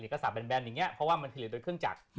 หลี่กษาบแบนอย่างนี้เพราะว่ามันผลิตโดยเครื่องจักร